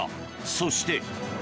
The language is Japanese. そして。